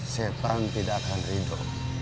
setan tidak akan ridho